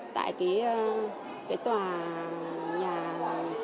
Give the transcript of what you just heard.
tại tòa nhà các phòng học